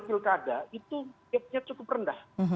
pilkada itu gap nya cukup rendah